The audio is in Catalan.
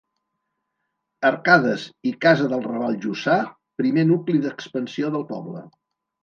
Arcades i casa del Raval Jussà, primer nucli d'expansió del poble.